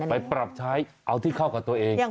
ไปปรับใช้เอาที่เข้ากับตัวเอง